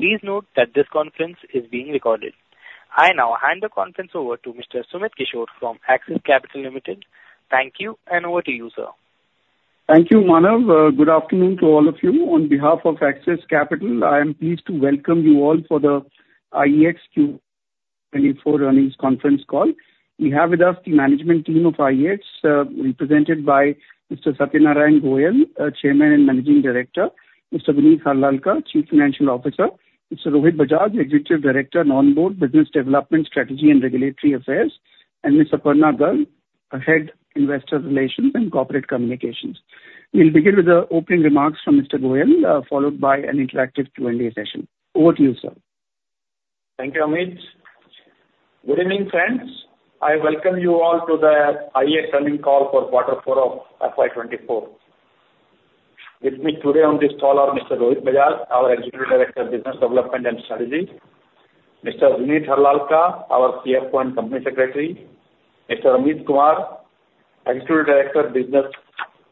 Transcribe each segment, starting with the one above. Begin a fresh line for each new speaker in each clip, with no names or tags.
Please note that this conference is being recorded. I now hand the conference over to Mr. Sumit Kishore from Axis Capital Limited. Thank you, and over to you, sir.
Thank you, Manav. Good afternoon to all of you. On behalf of Axis Capital, I am pleased to welcome you all for the IEX Q4 2024 earnings conference call. We have with us the management team of IEX, represented by Mr. Satyanarayan Goel, our Chairman and Managing Director, Mr. Vineet Harlalka, Chief Financial Officer, Mr. Rohit Bajaj, Executive Director, Non-Board, Business Development Strategy and Regulatory Affairs, and Ms. Aparna Garg, Head, Investor Relations and Corporate Communications. We'll begin with the opening remarks from Mr. Goel, followed by an interactive Q&A session. Over to you, sir.
Thank you, Amit. Good evening, friends. I welcome you all to the IEX earnings call for quarter 4 of FY 2024. With me today on this call are Mr. Rohit Bajaj, our Executive Director, Business Development and Strategy; Mr. Vineet Harlalka, our CFO and Company Secretary; Mr. Amit Kumar, Executive Director, Business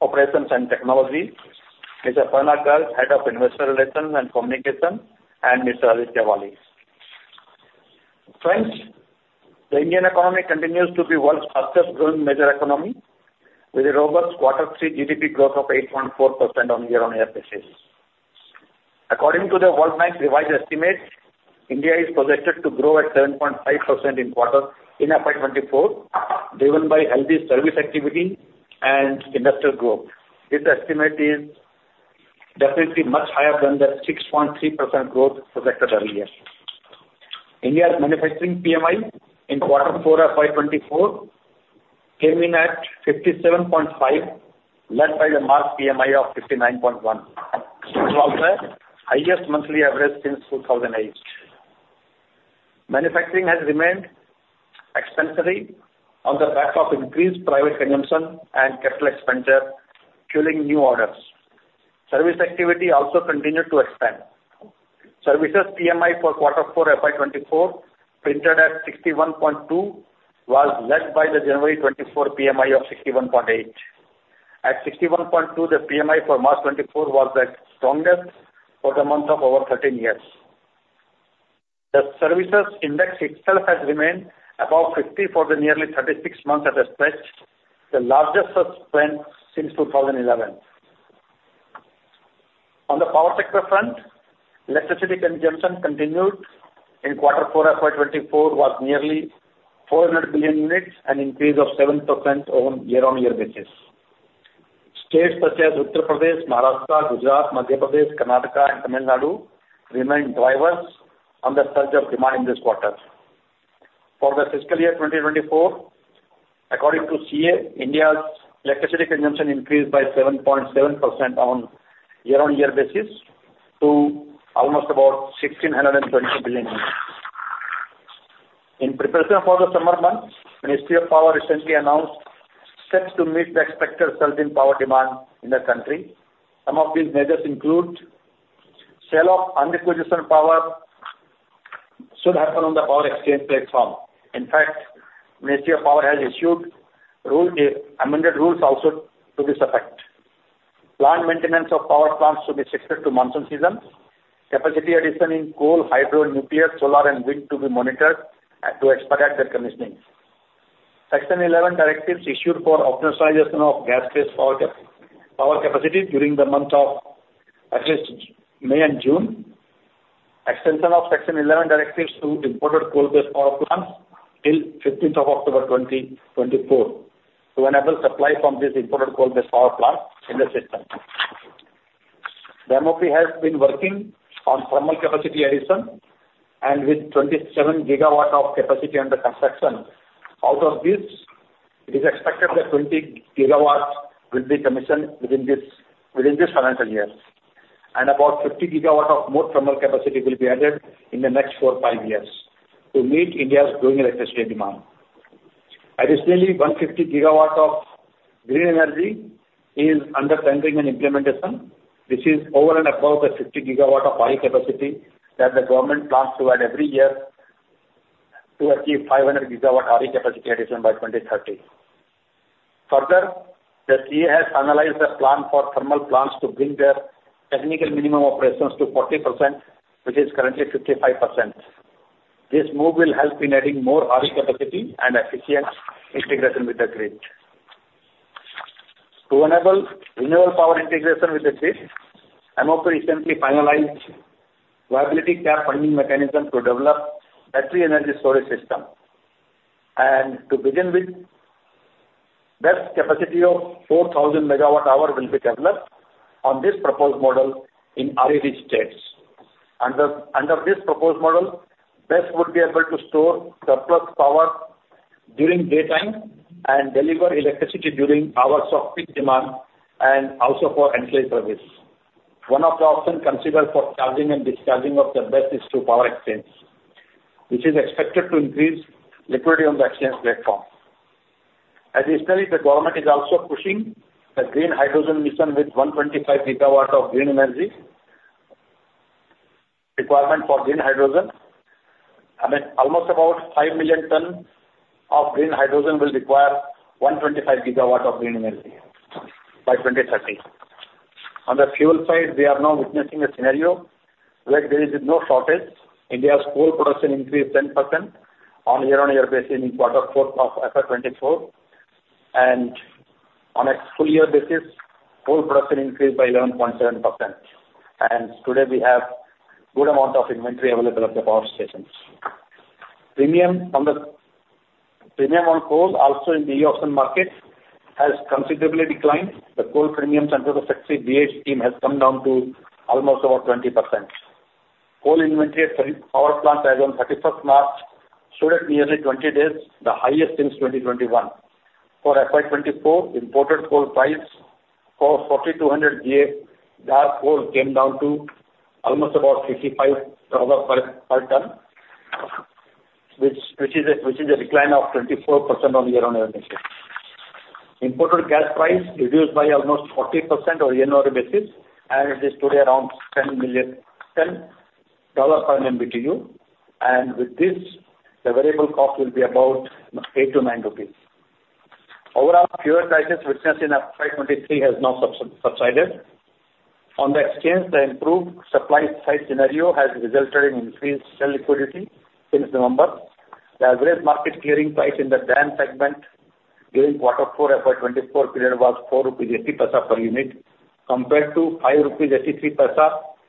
Operations and Technology; Mr. Aparna Garg, Head of Investor Relations and Communications; and Mr. Aditya Wali. Friends, the Indian economy continues to be world's fastest growing major economy, with a robust quarter 3 GDP growth of 8.4% on year-on-year basis. According to the World Bank revised estimates, India is projected to grow at 7.5% in FY 2024, driven by healthy service activity and industrial growth. This estimate is definitely much higher than the 6.3% growth projected earlier. India's manufacturing PMI in quarter 4 of FY 2024 came in at 57.5, led by the March PMI of 59.1. This was the highest monthly average since 2008. Manufacturing has remained expansive on the back of increased private consumption and capital expenditure, fueling new orders. Service activity also continued to expand. Services PMI for quarter 4, FY 2024, printed at 61.2, was led by the January 2024 PMI of 61.8. At 61.2, the PMI for March 2024 was the strongest for the month of over 13 years. The services index itself has remained above 50 for the nearly 36 months at a stretch, the largest such stint since 2011. On the power sector front, electricity consumption continued in quarter four, FY 2024, was nearly 400 billion units, an increase of 7% on year-on-year basis. States such as Uttar Pradesh, Maharashtra, Gujarat, Madhya Pradesh, Karnataka, and Tamil Nadu remained drivers on the surge of demand this quarter. For the fiscal year 2024, according to CEA, India's electricity consumption increased by 7.7% on year-on-year basis to almost about 1,620 billion units. In preparation for the summer months, Ministry of Power recently announced steps to meet the expected surge in power demand in the country. Some of these measures include sale of un-requisitioned power should happen on the power exchange platform. In fact, Ministry of Power has issued rule, amended rules also to this effect. Plant maintenance of power plants will be restricted to monsoon season. Capacity addition in coal, hydro, nuclear, solar, and wind to be monitored and to expedite their commissioning. Section 11 directives issued for optimization of gas-based power capacity during the months of at least May and June. Extension of section 11 directives to imported coal-based power plants till fifteenth of October 2024, to enable supply from this imported coal-based power plant in the system. The MoP has been working on thermal capacity addition, and with 27 GW of capacity under construction. Out of this, it is expected that 20 GW will be commissioned within this financial year, and about 50 GW of more thermal capacity will be added in the next four, five years to meet India's growing electricity demand. Additionally, 150 GW of green energy is under tendering and implementation. This is over and above the 50 GW of RE capacity that the government plans to add every year to achieve 500 GW RE capacity addition by 2030. Further, the CA has analyzed the plan for thermal plants to bring their technical minimum operations to 40%, which is currently 55%. This move will help in adding more RE capacity and efficient integration with the grid. To enable renewable power integration with the grid, MoP recently finalized viability gap funding mechanism to develop battery energy storage system. And to begin with, BESS capacity of 4,000 MWh will be developed on this proposed model in REB states. Under this proposed model, BESS would be able to store surplus power during daytime and deliver electricity during hours of peak demand and also for ancillary service. One of the options considered for charging and discharging of the BESS is through power exchange, which is expected to increase liquidity on the exchange platform. Additionally, the government is also pushing the green hydrogen mission with 125 GW of green energy requirement for green hydrogen. I mean, almost about 5 million tons of green hydrogen will require 125 GW of green energy by 2030. On the fuel side, we are now witnessing a scenario where there is no shortage. India's coal production increased 10% on year-on-year basis in quarter four of FY 2024, and on a full year basis, coal production increased by 11.7%. Today, we have good amount of inventory available at the power stations. Premium on coal also in the auction market has considerably declined. The coal premium under the Shakti B(viii) scheme has come down to almost about 20%. Coal inventory at 30 power plants as on 31st March stood at nearly 20 days, the highest since 2021. For FY 2024, imported coal prices for 4,200 GAR coal came down to almost about $55 per ton, which is a decline of 24% on year-on-year basis. Imported gas price reduced by almost 40% on year-on-year basis, and it is today around $10 per MMBtu, and with this, the variable cost will be about 8-9 rupees. Overall, fuel prices witnessed in FY 2023 has now subsided. On the exchange, the improved supply side scenario has resulted in increased sell liquidity since November. The average market clearing price in the DAM segment during quarter four, FY 2024 period, was 4.80 rupees per unit, compared to 5.83 rupees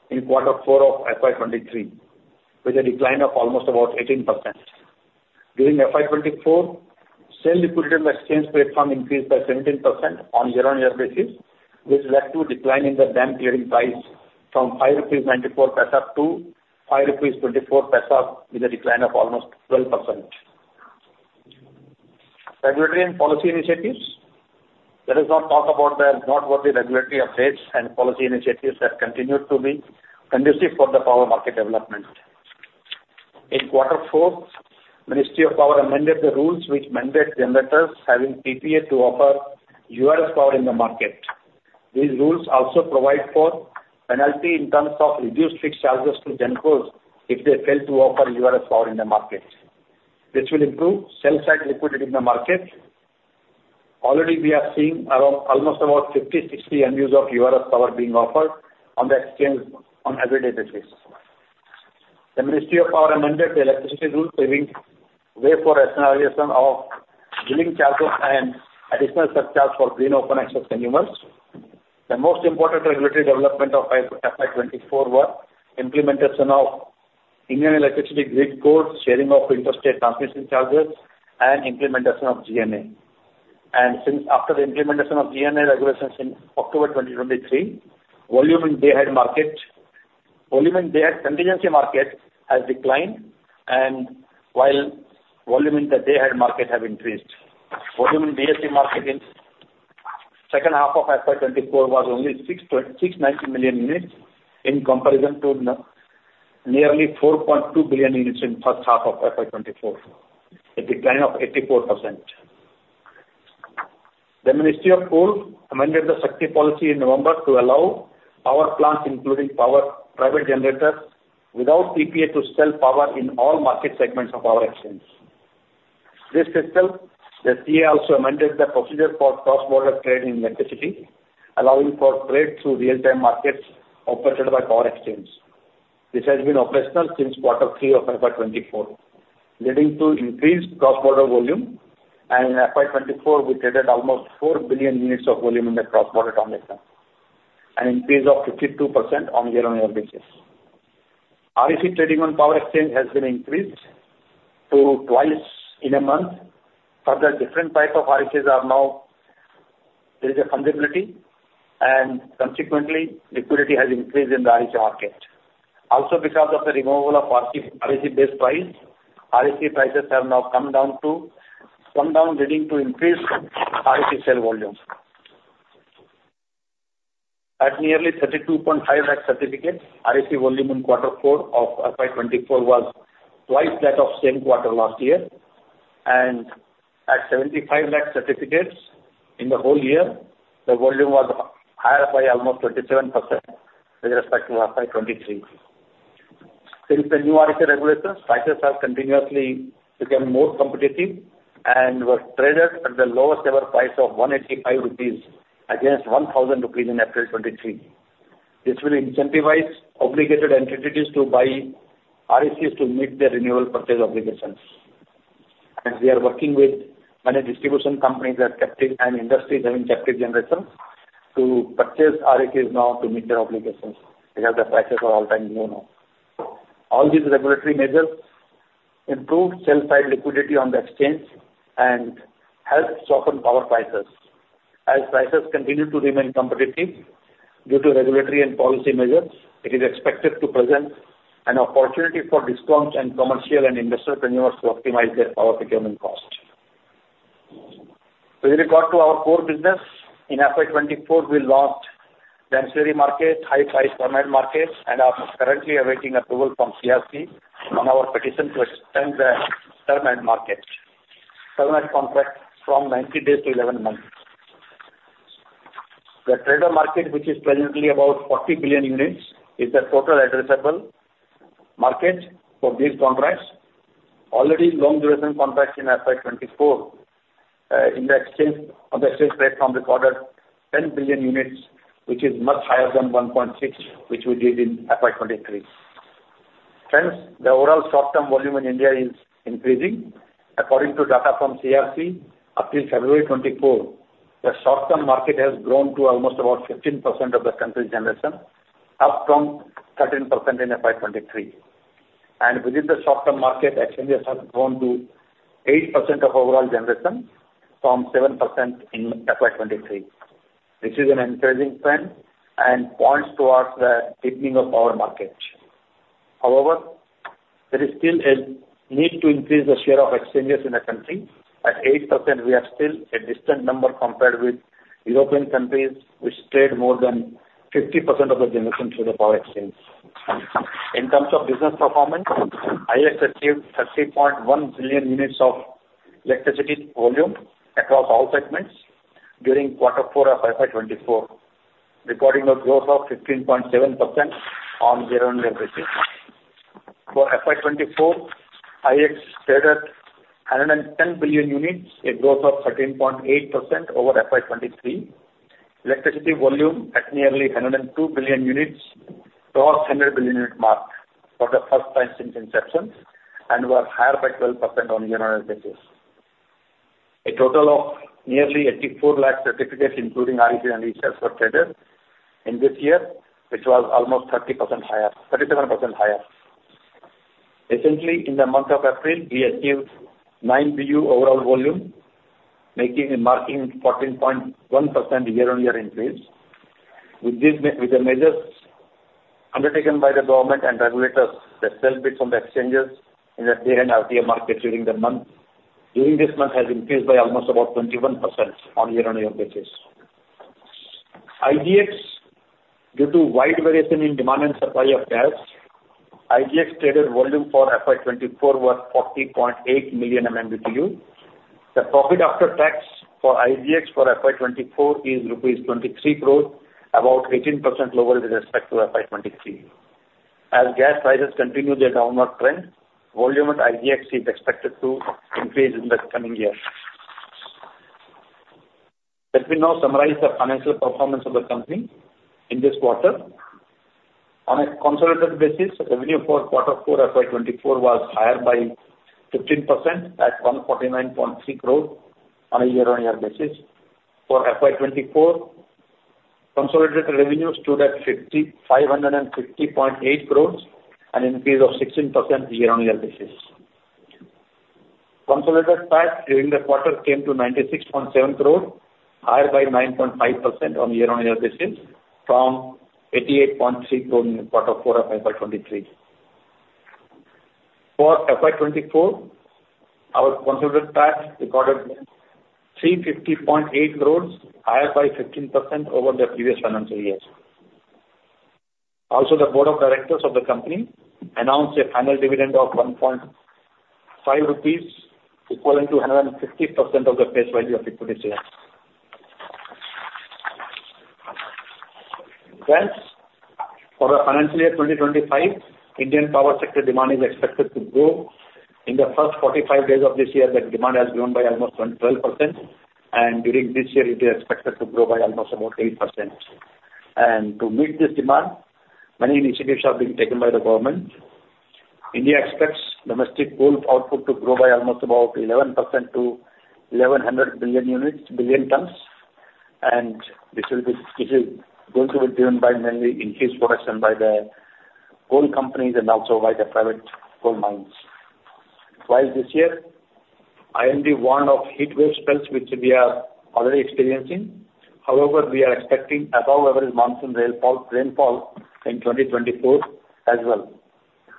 in quarter four of FY 2023, with a decline of almost about 18%. During FY 2024, sell liquidity in the exchange platform increased by 17% on year-on-year basis, which led to decline in the DAM clearing price from 5.94 rupees to 5.24 rupees, with a decline of almost 12%. Regulatory and policy initiatives. Let us now talk about the noteworthy regulatory updates and policy initiatives that continued to be conducive for the power market development. In quarter four, Ministry of Power amended the rules which mandate generators having PPA to offer URS power in the market. These rules also provide for penalty in terms of reduced fixed charges to GenCos if they fail to offer US power in the market. This will improve sell-side liquidity in the market. Already, we are seeing around almost about 50-60 MUs of US power being offered on the exchange on everyday basis. The Ministry of Power amended the electricity rules, paving way for rationalization of billing charges and additional surcharge for green open access consumers. The most important regulatory development of FY 2024 were implementation of Indian Electricity Grid Code, sharing of interstate transmission charges, and implementation of GNA. And since after the implementation of GNA regulations in October 2023, volume in day-ahead market, volume in day-ahead contingency market has declined, and while volume in the day-ahead market have increased. Volume in DAC market in second half of FY 2024 was only 6 to 690 million units, in comparison to nearly 4.2 billion units in first half of FY 2024, a decline of 84%. The Ministry of Coal amended the Shakti policy in November to allow power plants, including power private generators, without PPA, to sell power in all market segments of power exchange. This system, the CEA also amended the procedure for cross-border trade in electricity, allowing for trade through real-time markets operated by power exchange. This has been operational since quarter three of FY 2024, leading to increased cross-border volume, and in FY 2024, we traded almost 4 billion units of volume in the cross-border transaction, an increase of 52% on year-on-year basis. REC trading on power exchange has been increased to twice in a month. Further, different type of RECs are now, there is a fundability, and consequently, liquidity has increased in the REC market. Also, because of the removal of floor price, REC-based price, REC prices have now come down to, come down, leading to increased REC sale volumes. At nearly 32.5 lakh certificates, REC volume in quarter four of FY 2024 was twice that of same quarter last year, and at 75 lakh certificates in the whole year, the volume was higher by almost 27% with respect to FY 2023. Since the new REC regulations, prices have continuously become more competitive and were traded at the lowest ever price of 185 rupees, against 1,000 rupees in April 2023. This will incentivize obligated entities to buy RECs to meet their renewable purchase obligations. We are working with many distribution companies that captive and industries having captive generation, to purchase RECs now to meet their obligations, because the prices are all-time low now. All these regulatory measures improved sell-side liquidity on the exchange and helped soften power prices. As prices continue to remain competitive due to regulatory and policy measures, it is expected to present an opportunity for discounts and commercial and industrial consumers to optimize their power procurement cost. With regard to our core business, in FY 2024, we launched the ancillary market, high price Term-Ahead Market, and are currently awaiting approval from CERC on our petition to extend the Term-Ahead Market, Term-Ahead contract from 90 days to 11 months... The trader market, which is presently about 40 billion units, is the total addressable market for these contracts. Already, long duration contracts in FY 2024, in the exchange, on the exchange platform, recorded 10 billion units, which is much higher than 1.6, which we did in FY 2023. Hence, the overall short term volume in India is increasing. According to data from CERC, up till February 2024, the short term market has grown to almost about 15% of the country's generation, up from 13% in FY 2023. Within the short term market, exchanges have grown to 8% of overall generation from 7% in FY 2023, which is an encouraging trend and points towards the deepening of our market. However, there is still a need to increase the share of exchanges in the country. At 8%, we are still a distant number compared with European countries, which trade more than 50% of the generation through the power exchange. In terms of business performance, IEX achieved 30.1 billion units of electricity volume across all segments during quarter 4 of FY 2024, recording a growth of 15.7% on year-on-year basis. For FY 2024, IEX traded 110 billion units, a growth of 13.8% over FY 2023. Electricity volume at nearly 102 billion units crossed 100 billion unit mark for the first time since inception, and were higher by 12% on year-on-year basis. A total of nearly 84 lakh certificates, including RECs and ESCerts, were traded in this year, which was almost 30% higher, 37% higher. Recently, in the month of April, we achieved 9 BU overall volume, marking a 14.1% year-on-year increase. With these measures undertaken by the government and regulators, the sell side from the exchanges in the day and RTM market during this month has increased by almost about 21% on year-on-year basis. IGX, due to wide variation in demand and supply of gas, IGX traded volume for FY 2024 was 40.8 million MMBtu. The profit after tax for IGX for FY 2024 is INR 23 crores, about 18% lower with respect to FY 2023. As gas prices continue their downward trend, volume at IGX is expected to increase in the coming years. Let me now summarize the financial performance of the company in this quarter. On a consolidated basis, revenue for quarter four FY 2024 was higher by 15% at 149.3 crores on a year-on-year basis. For FY 2024, consolidated revenue stood at 5,550.8 crores, an increase of 16% year-on-year basis. Consolidated tax during the quarter came to 96.7 crores, higher by 9.5% on year-on-year basis from 88.3 crores in quarter four of FY 2023. For FY 2024, our consolidated tax recorded 350.8 crores, higher by 15% over the previous financial years. Also, the board of directors of the company announced a final dividend of 1.5 rupees, equivalent to 150% of the face value of equity shares. Thanks. For the financial year 2025, Indian power sector demand is expected to grow. In the first 45 days of this year, the demand has grown by almost 12%, and during this year it is expected to grow by almost about 8%. To meet this demand, many initiatives are being taken by the government. India expects domestic coal output to grow by almost about 11% to 1,100 million tons, and this is going to be driven by mainly increased production by the coal companies and also by the private coal mines. While this year, IMD warned of heatwave spells, which we are already experiencing. However, we are expecting above average monsoon rainfall in 2024 as well,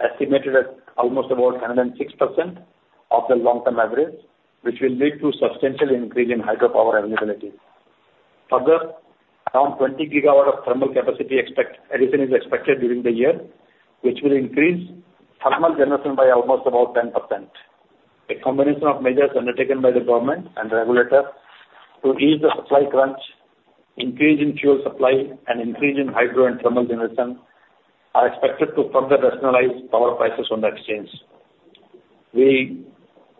estimated at almost about 106% of the long term average, which will lead to substantial increase in hydropower availability. Further, around 20 GW of thermal capacity addition is expected during the year, which will increase thermal generation by almost about 10%. A combination of measures undertaken by the government and the regulator to ease the supply crunch, increase in fuel supply and increase in hydro and thermal generation are expected to further rationalize power prices on the exchange. We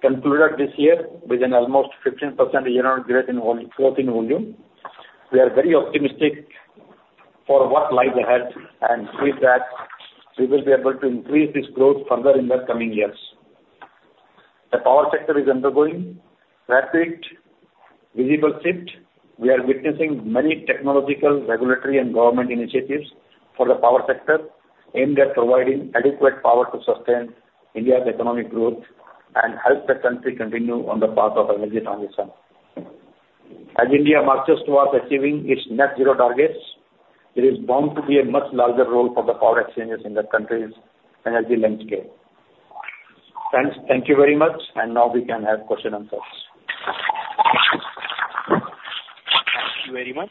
concluded this year with an almost 15% year-on-year growth in growth in volume. We are very optimistic for what lies ahead, and with that, we will be able to increase this growth further in the coming years. The power sector is undergoing rapid, visible shift. We are witnessing many technological, regulatory, and government initiatives for the power sector, aimed at providing adequate power to sustain India's economic growth and help the country continue on the path of energy transition. As India marches towards achieving its net zero targets, there is bound to be a much larger role for the power exchanges in the country's energy landscape. Friends, thank you very much, and now we can have Q&A.
Thank you very much.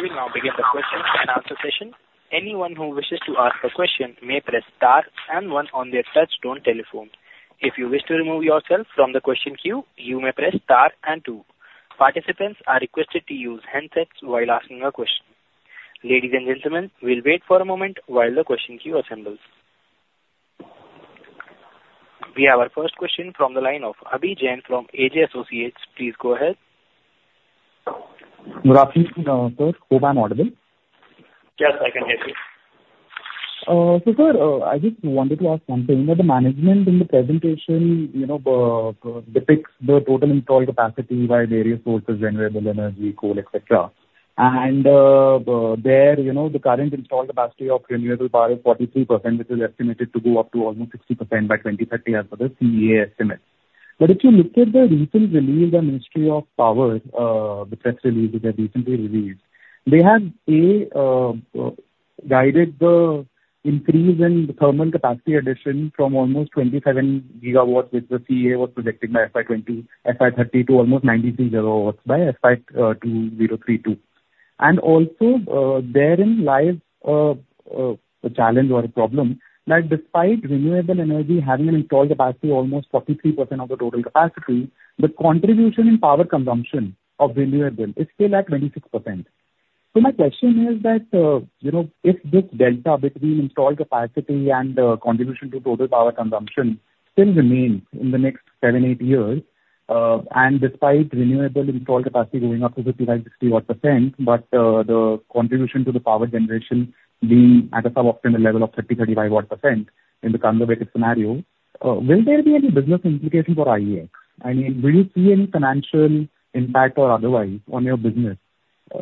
We will now begin the question and answer session. Anyone who wishes to ask a question may press star and one on their touchtone telephone. If you wish to remove yourself from the question queue, you may press star and two. Participants are requested to use handsets while asking a question. Ladies and gentlemen, we'll wait for a moment while the question queue assembles. We have our first question from the line of Abhijay from AJ Associates. Please go ahead.
Good afternoon, sir. Hope I'm audible.
Yes, I can hear you.
So sir, I just wanted to ask something. You know, the management in the presentation, you know, depicts the total installed capacity by various sources, renewable energy, coal, et cetera. There, you know, the current installed capacity of renewable power is 43%, which is estimated to go up to almost 60% by 2030, as per the CEA estimate. But if you look at the recent release by Ministry of Power, the press release which they recently released, they have guided the increase in the thermal capacity addition from almost 27 GW, which the CEA was projecting by FY 2030 to almost 93 GW by FY 2032. Also, therein lies a challenge or a problem, that despite renewable energy having an installed capacity almost 43% of the total capacity, the contribution in power consumption of renewable is still at 26%. So my question is that, you know, if this delta between installed capacity and contribution to total power consumption still remains in the next 7-8 years, and despite renewable installed capacity going up to 55-60% odd, but the contribution to the power generation being at a sub-optimal level of 30-35% odd in the conservative scenario, will there be any business implication for IEX? I mean, will you see any financial impact or otherwise on your business,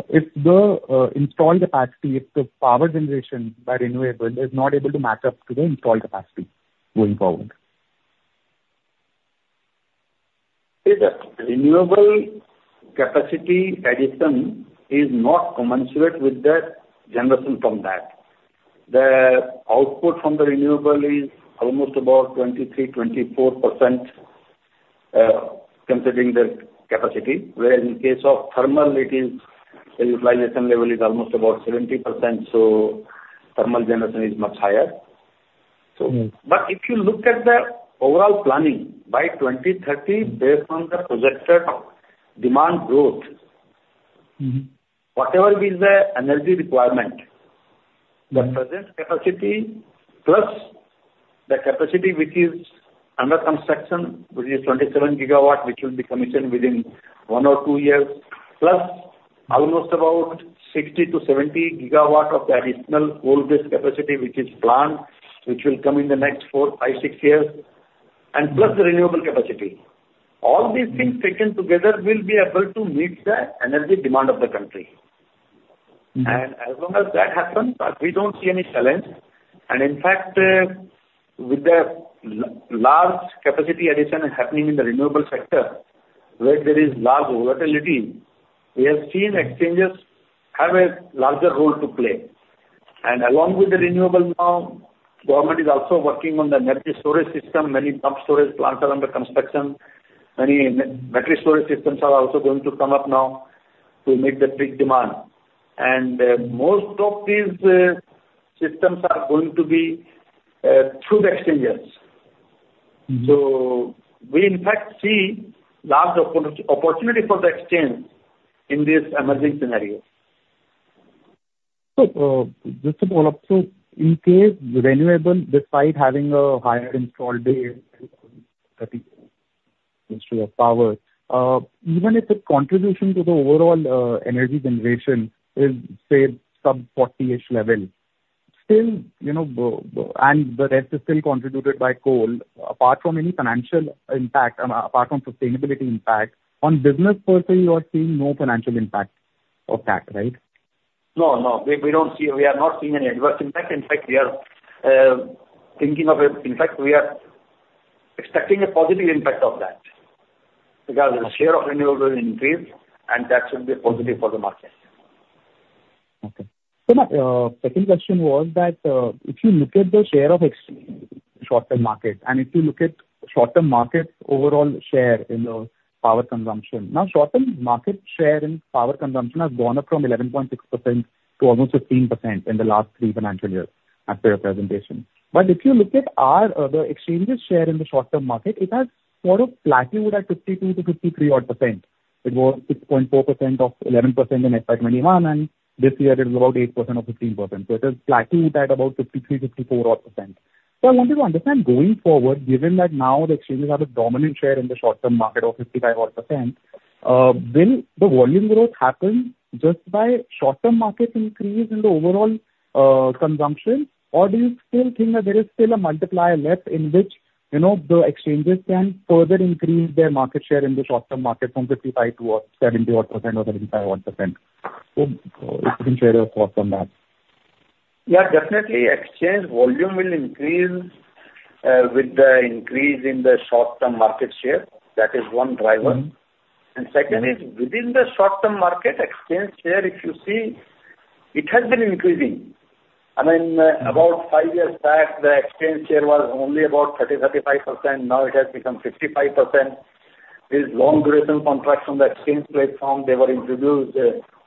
if the installed capacity, if the power generation by renewable is not able to match up to the installed capacity going forward?
The renewable capacity addition is not commensurate with the generation from that. The output from the renewable is almost about 23-24%, considering the capacity, whereas in case of thermal, it is, the utilization level is almost about 70%, so thermal generation is much higher. So, but if you look at the overall planning, by 2030, based on the projected demand growth. Whatever is the energy requirement, the present capacity plus the capacity which is under construction, which is 27 GW, which will be commissioned within 1 or 2 years, plus almost about 60-70 GW of the additional coal-based capacity, which is planned, which will come in the next 4, 5, 6 years, and plus the renewable capacity. All these things taken together will be able to meet the energy demand of the country As long as that happens, we don't see any challenge. In fact, with the large capacity addition happening in the renewable sector, where there is large volatility, we have seen exchanges have a larger role to play. And along with the renewable now, government is also working on the energy storage system. Many pump storage plants are under construction. Many battery storage systems are also going to come up now to meet the peak demand. And most of these systems are going to be through the exchanges. So we in fact see large opportunity for the exchange in this emerging scenario.
So, just to follow up, so in case renewable, despite having a higher installed base ministry of power, even if the contribution to the overall, energy generation is, say, sub-40-ish level, still, you know, and the rest is still contributed by coal, apart from any financial impact and apart from sustainability impact, on business portion, you are seeing no financial impact of that, right?
No, no. We don't see. We are not seeing any adverse impact. In fact, we are thinking of it. In fact, we are expecting a positive impact of that, because the share of renewable will increase, and that should be positive for the market.
Okay. So my second question was that, if you look at the share of IEX short-term market, and if you look at short-term market overall share in the power consumption, now short-term market share in power consumption has gone up from 11.6% to almost 15% in the last three financial years, as per your presentation. But if you look at our, the exchange's share in the short-term market, it has sort of plateaued at 52%-53% odd. It was 6.4% of 11% in FY 2021, and this year it is about 8% of 15%. So it has plateaued at about 53%-54% odd. So I wanted to understand, going forward, given that now the exchanges have a dominant share in the short-term market of 55-odd%, will the volume growth happen just by short-term market increase in the overall, consumption? Or do you still think that there is still a multiplier left, in which, you know, the exchanges can further increase their market share in the short-term market from 55-odd to 70-odd% or 75-odd%? So, if you can share your thoughts on that.
Yeah, definitely exchange volume will increase with the increase in the short-term market share. That is one driver. And second is, within the short-term market, exchange share, if you see, it has been increasing. I mean, about five years back, the exchange share was only about 30-35%. Now it has become 55%.... These long duration contracts on the exchange platform, they were introduced,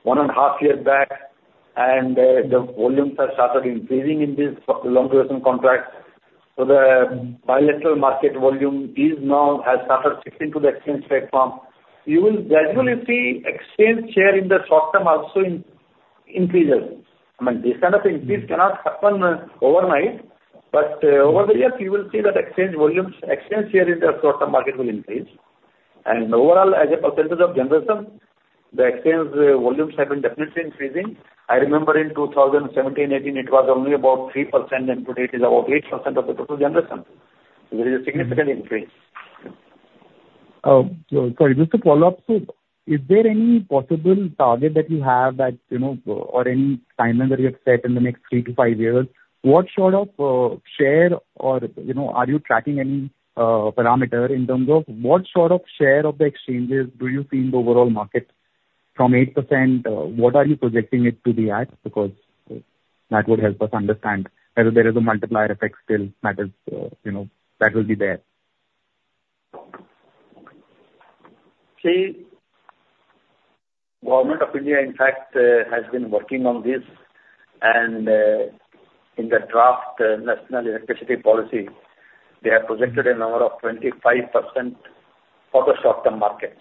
one and a half year back, and, the volumes have started increasing in this long duration contract. So the bilateral market volume is now has started shifting to the exchange platform. You will gradually see exchange share in the short term also increases. I mean, this kind of increase cannot happen, overnight, but, over the years, you will see that exchange volumes, exchange share in the short-term market will increase. And overall, as a percentage of generation, the exchange, volumes have been definitely increasing. I remember in 2017, 2018, it was only about 3%, and today it is about 8% of the total generation. So there is a significant increase.
So just to follow up, so is there any possible target that you have that, you know, or any timeline that you have set in the next 3-5 years? What sort of share or, you know, are you tracking any parameter in terms of what sort of share of the exchanges do you see in the overall market? From 8%, what are you projecting it to be at? Because that would help us understand whether there is a multiplier effect still that is, you know, that will be there.
See, Government of India, in fact, has been working on this, and, in the draft national electricity policy, they have projected a number of 25% for the short-term market.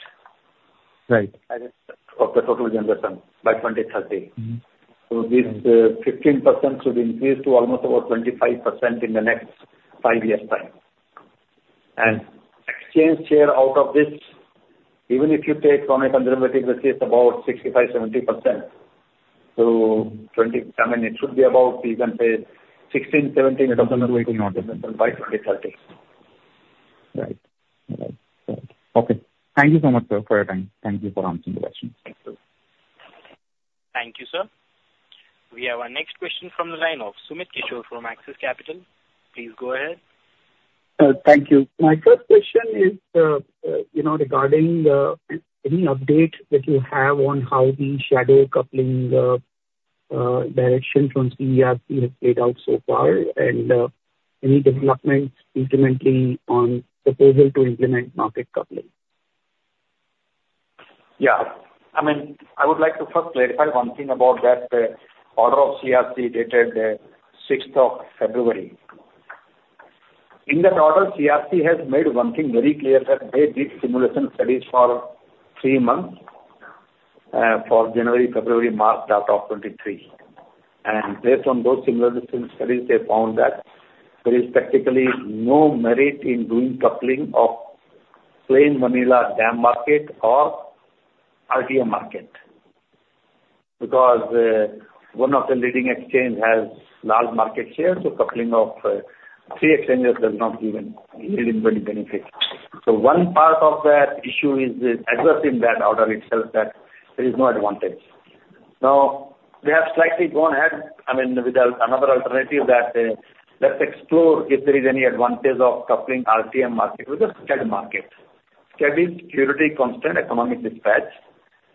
Right.
As in, of the total generation by 2030. So this 15% should increase to almost about 25% in the next five years' time. And exchange share out of this, even if you take from a conservative, let's say, it's about 65%-70%. So 20... I mean, it should be about, you know, 16%-17% by 2030.
Right. Right. Right. Okay, thank you so much, sir, for your time. Thank you for answering the questions.
Thank you.
Thank you, sir. We have our next question from the line of Sumit Kishore from Axis Capital. Please go ahead.
Thank you. My first question is, you know, regarding any update that you have on how the shadow coupling direction from CERC has played out so far, and any developments incrementally on proposal to implement market coupling?
Yeah. I mean, I would like to first clarify one thing about that order of CERC, dated sixth of February. In that order, CERC has made one thing very clear, that they did simulation studies for three months for January, February, March, that of 2023. And based on those simulation studies, they found that there is practically no merit in doing coupling of plain vanilla DAM market or RTM market, because one of the leading exchange has large market share, so coupling of three exchanges does not give any, really any benefit. So one part of that issue is addressing that order itself, that there is no advantage. Now, they have slightly gone ahead, I mean, with another alternative that let's explore if there is any advantage of coupling RTM market with the SCED market. SCED is Security Constrained Economic Dispatch,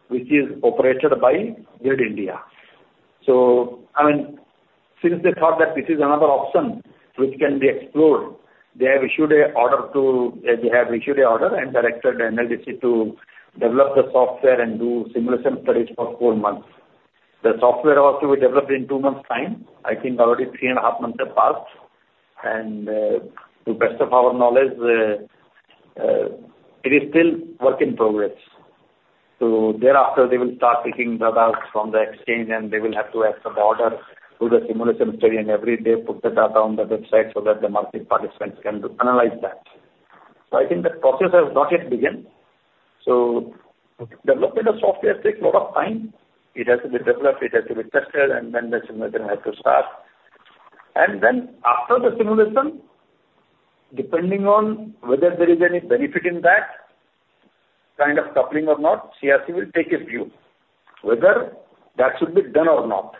which is operated by Grid India. So, I mean, since they thought that this is another option which can be explored, they have issued an order and directed NLDC to develop the software and do simulation studies for four months. The software has to be developed in two months' time. I think already three and a half months have passed, and, to the best of our knowledge, it is still work in progress. So thereafter, they will start taking data from the exchange, and they will have to, as per the order, do the simulation study, and every day put the data on the website so that the market participants can analyze that. So I think that process has not yet begun. So development of software takes a lot of time. It has to be developed, it has to be tested, and then the simulation has to start. And then after the simulation, depending on whether there is any benefit in that kind of coupling or not, CERC will take a view whether that should be done or not.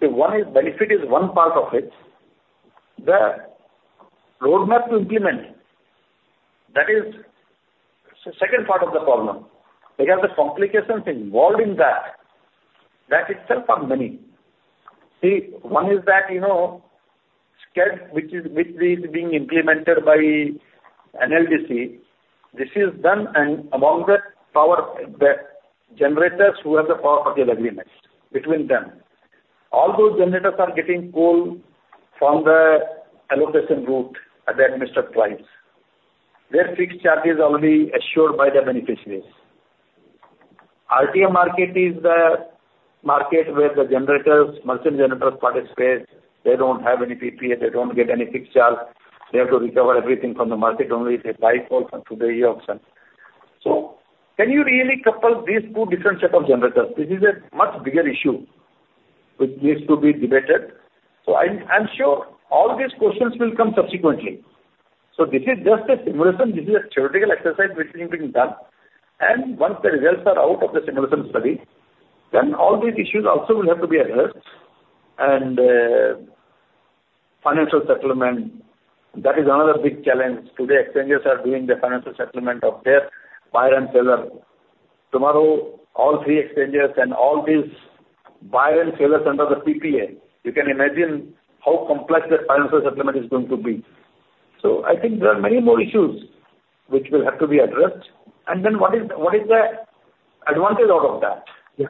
See, one is, benefit is one part of it. The roadmap to implement, that is second part of the problem, because the complications involved in that, that itself are many. See, one is that, you know, SCED, which is, which is being implemented by NLDC, this is done and among the power, the generators who have the power purchase agreements between them. All those generators are getting coal from the allocation route at the administered price. Their fixed charge is only assured by the beneficiaries. RTM market is the market where the generators, merchant generators, participate. They don't have any PPA, they don't get any fixed charge. They have to recover everything from the market only if they buy coal from through the e-auction. So can you really couple these two different set of generators? This is a much bigger issue, which needs to be debated. So I'm sure all these questions will come subsequently. So this is just a simulation. This is a theoretical exercise which is being done. And once the results are out of the simulation study, then all these issues also will have to be addressed. And financial settlement, that is another big challenge. Today, exchanges are doing the financial settlement of their buyer and seller. Tomorrow, all three exchanges and all these buyers and sellers under the PPA, you can imagine how complex that financial settlement is going to be. I think there are many more issues which will have to be addressed. What is the advantage out of that?
Yeah.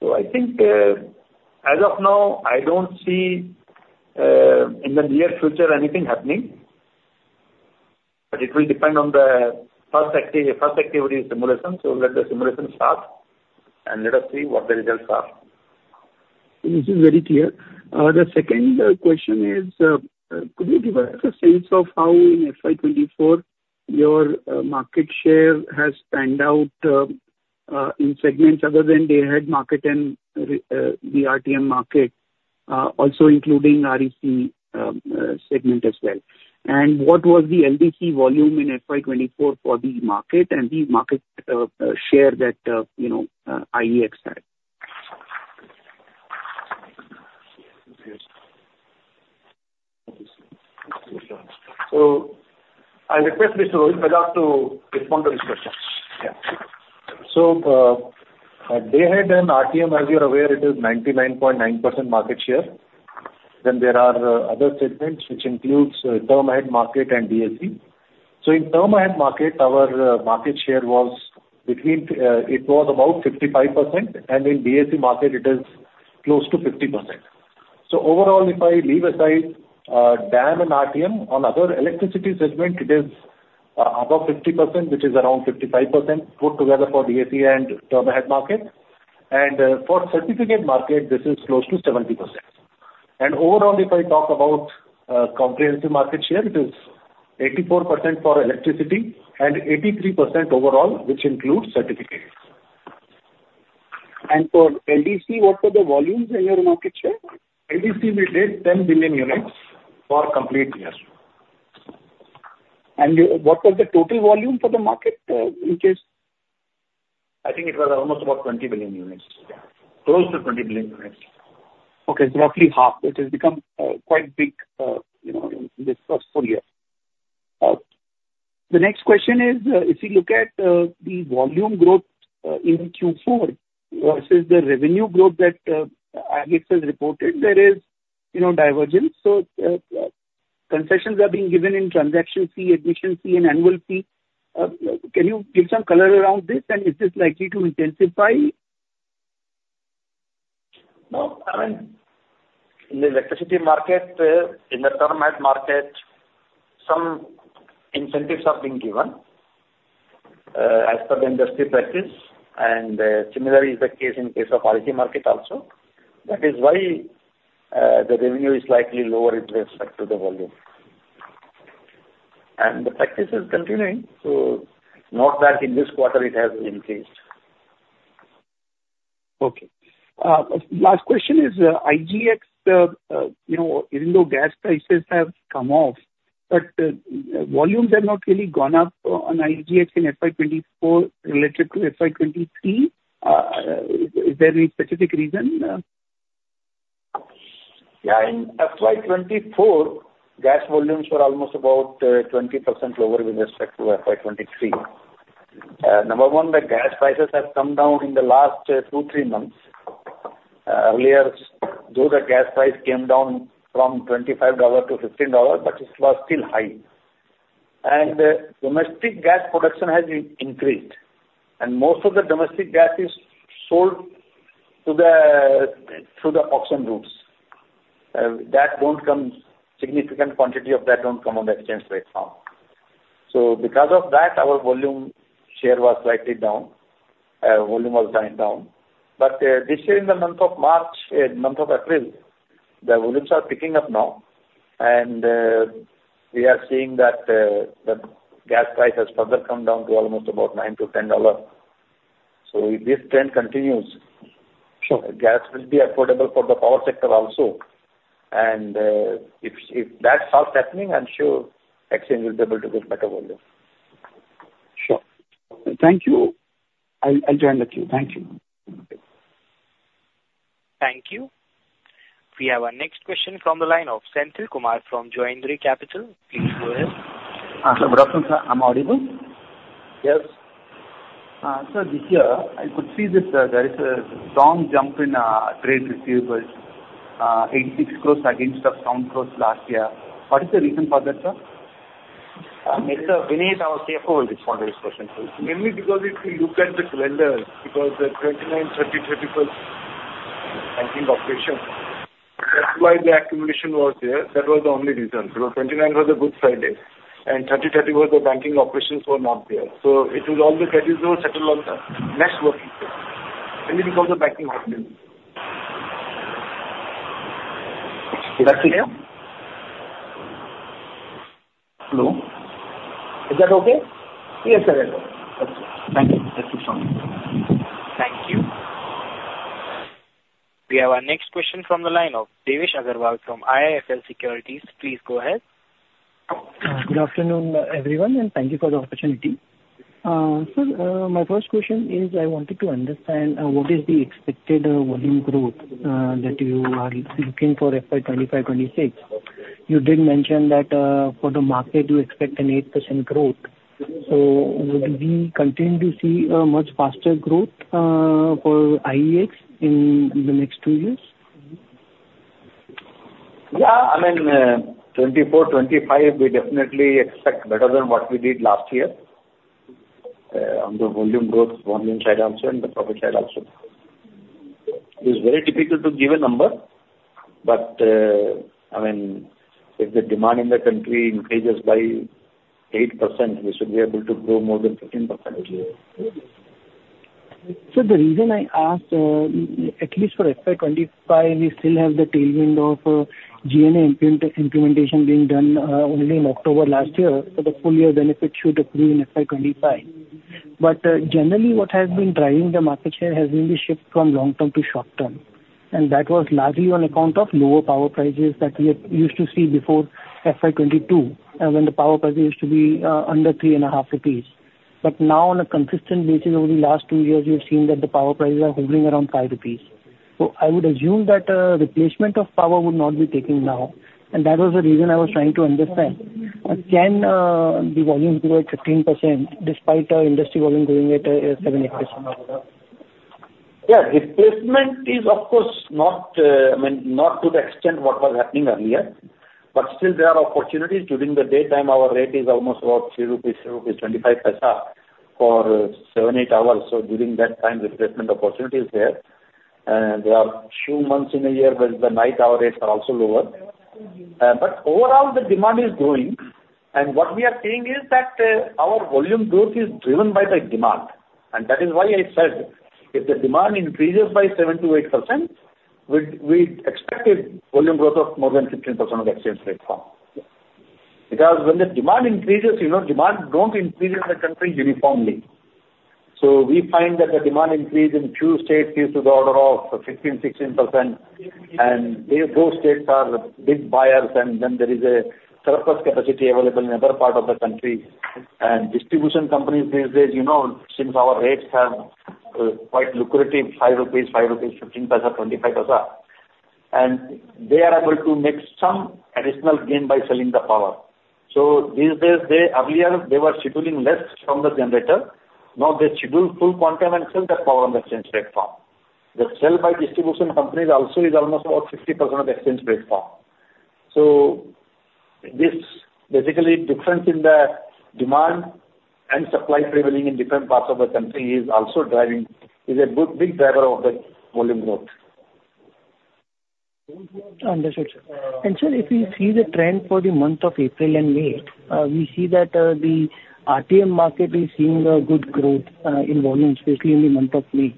So I think, as of now, I don't see, in the near future anything happening, but it will depend on the first activity simulation. So let the simulation start, and let us see what the results are.
This is very clear. The second question is, could you give us a sense of how in FY 2024 your market share has panned out, in segments other than day-ahead market and RE, the RTM market, also including REC, segment as well? And what was the LDC volume in FY 2024 for the market and the market share that, you know, IEX had?
So I request Mr. Rohit Bajaj to respond to this question. Yeah. So, day ahead and RTM, as you're aware, it is 99.9% market share. Then there are other segments, which includes term ahead market and DSC. So in term ahead market, our market share was between, it was about 55%, and in DAC market it is close to 50%. So overall, if I leave aside DAM and RTM, on other electricity segment, it is above 50%, which is around 55% put together for the TAM and term ahead market. And for certificate market, this is close to 70%. And overall, if I talk about comprehensive market share, it is 84% for electricity and 83% overall, which includes certificates.
For LDC, what were the volumes in your market share?
LDC, we did 10 billion units for complete year.
You, what was the total volume for the market, in case?
I think it was almost about 20 billion units. Yeah. Close to 20 billion units.
Okay, it's roughly half. It has become quite big, you know, in this first full year. The next question is, if you look at the volume growth in Q4 versus the revenue growth that IEX has reported, there is, you know, divergence. So, concessions are being given in transaction fee, admission fee, and annual fee. Can you give some color around this, and is this likely to intensify?
No, I mean, in the electricity market, in the term ahead market, some incentives are being given, as per the industry practice, and, similarly is the case in case of green market also. That is why, the revenue is slightly lower with respect to the volume. And the practice is continuing, so not that in this quarter it has increased.
Okay. Last question is, IGX, you know, even though gas prices have come off, but, volumes have not really gone up on IGX in FY 2024 related to FY 2023. Is there any specific reason?
Yeah, in FY 2024, gas volumes were almost about 20% lower with respect to FY 2023. Number one, the gas prices have come down in the last 2-3 months. Earlier, though the gas price came down from $25 to $15, but it was still high. And domestic gas production has increased, and most of the domestic gas is sold to the through the auction routes. That don't come, significant quantity of that don't come on the exchange right now. So because of that, our volume share was slightly down. Volume was slightly down. But this year in the month of March, month of April, the volumes are picking up now, and we are seeing that the gas price has further come down to almost about $9-$10. So if this trend continues-
Sure.
gas will be affordable for the power sector also. And, if that starts happening, I'm sure exchange will be able to get better volume.
Sure. Thank you. I'll end the queue. Thank you.
Thank you. We have our next question from the line of Senthil Kumar from Joindre Capital. Please go ahead.
Good afternoon, sir. Am I audible?
Yes.
Sir, here I could see that there is a strong jump in trade receivables, 86 crore against 7 crore last year. What is the reason for that, sir?
Mr. Vineet, our CFO, will respond to this question. Mainly because if you look at the calendar, because the 29, 30, 31st banking operation, that's why the accumulation was there. That was the only reason, because 29 was a Good Friday, and 30, 30 was the banking operations were not there. So it will all the credits will settle on the next working day, only because of banking holiday.
Is that clear?
Hello? Is that okay?
Yes, sir, that's okay.
Thank you. That's it from me.
Thank you. We have our next question from the line of Devesh Agarwal from IIFL Securities. Please go ahead.
Good afternoon, everyone, and thank you for the opportunity. Sir, my first question is, I wanted to understand, what is the expected volume growth that you are looking for FY 2025, 2026? You did mention that, for the market, you expect an 8% growth. So would we continue to see a much faster growth, for IEX in the next two years?
Yeah, I mean, 2024, 2025, we definitely expect better than what we did last year, on the volume growth, volume side also, and the profit side also. It's very difficult to give a number, but, I mean, if the demand in the country increases by 8%, we should be able to grow more than 15% each year.
So the reason I ask, at least for FY 25, we still have the tailwind of GNA implementation being done, only in October last year. So the full year benefit should accrue in FY 25. But, generally, what has been driving the market share has really shifted from long term to short term, and that was largely on account of lower power prices that we had used to see before FY 22, when the power prices used to be, under 3.5 rupees. But now on a consistent basis, over the last 2 years, we've seen that the power prices are hovering around 5 rupees. So I would assume that, replacement of power would not be taking now, and that was the reason I was trying to understand. Can the volume grow at 15% despite the industry volume growing at 7%-8%?
Yeah. Replacement is, of course, not, I mean, not to the extent what was happening earlier, but still there are opportunities. During the daytime, our rate is almost about 3 rupees, 4.25 rupees for 7-8 hours. So during that time, replacement opportunity is there. There are few months in a year where the night hour rates are also lower. But overall, the demand is growing, and what we are seeing is that, our volume growth is driven by the demand. And that is why I said, if the demand increases by 7%-8%, we'd, we expect a volume growth of more than 15% on the exchange platform. Because when the demand increases, you know, demand don't increase in the country uniformly. So we find that the demand increase in few states is to the order of 15%-16%, and they, those states are big buyers. And then there is a surplus capacity available in other part of the country. And distribution companies these days, you know, since our rates are quite lucrative, 5 rupees, 5.15 rupees, 5.25, and they are able to make some additional gain by selling the power. So these days, they, earlier, they were scheduling less from the generator. Now they schedule full quantum and sell the power on the exchange platform. The sale by distribution companies also is almost about 50% of exchange platform. So this basically difference in the demand and supply prevailing in different parts of the country is also driving... is a good, big driver of the volume growth. Understood, sir. Sir, if we see the trend for the month of April and May, we see that the RTM market is seeing a good growth in volume, especially in the month of May.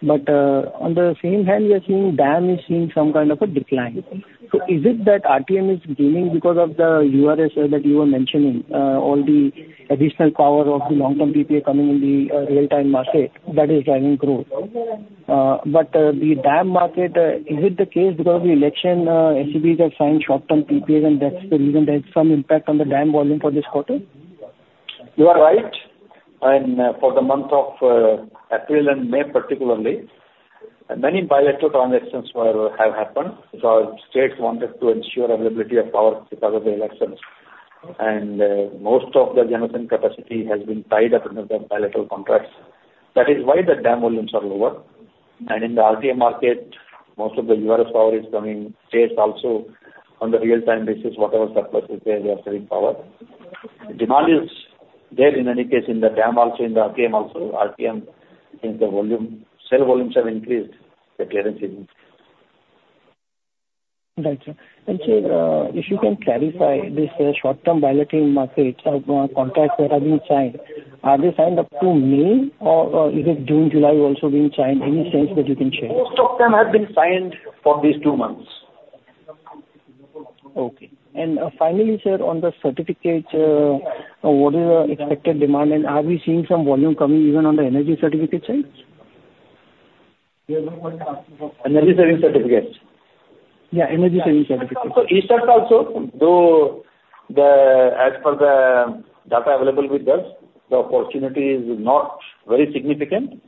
But on the same hand, we are seeing DAM is seeing some kind of a decline. So is it that RTM is gaining because of the URAs that you were mentioning all the additional power of the long-term PPA coming in the real-time market that is driving growth? But the DAM market, is it the case because the election, SEBs have signed short-term PPAs, and that's the reason there is some impact on the DAM volume for this quarter? You are right. And, for the month of April and May, particularly, many bilateral transactions were, have happened because states wanted to ensure availability of power because of the elections. And, most of the generation capacity has been tied up into the bilateral contracts. That is why the DAM volumes are lower. And in the RTM market, most of the URS power is coming. States also, on the real-time basis, whatever surplus is there, they are selling power. Demand is there, in any case, in the DAM also, in the RTM also. RTM, I think the volume, sale volumes have increased, the clearance is increased.
Right, sir. And sir, if you can clarify, this short-term bilateral markets contracts that have been signed, are they signed up to May, or is it June, July also being signed? Any sense that you can share?
Most of them have been signed for these two months.
Okay. Finally, sir, on the certificates, what is the expected demand, and are we seeing some volume coming even on the energy certificate side?
Energy Saving Certificates?
Yeah, Energy Saving Certificates.
So each side also, though the, as per the data available with us, the opportunity is not very significant,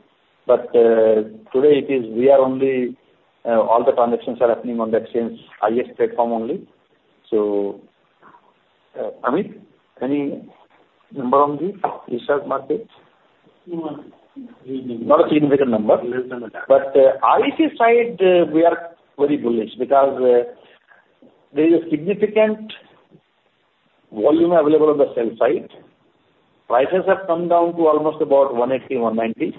but, today it is, we are only, all the transactions are happening on the exchange, IEX platform only. So, Amit, any number on the real-time market?
No.
Not a significant number.
Significant number.
REC side, we are very bullish because there is a significant volume available on the sell side. Prices have come down to almost about 180, 190,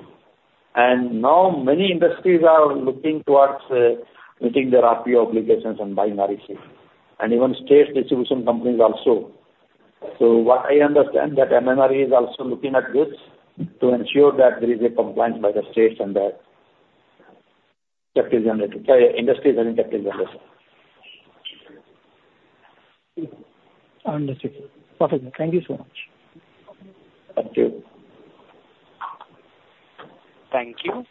and now many industries are looking towards meeting their RPO obligations and buying REC, and even state distribution companies also. So what I understand, that MNRE is also looking at this to ensure that there is a compliance by the states and the utilities generator, industries and utilities generators.
I understand. Perfect, thank you so much.
Thank you.
Thank you.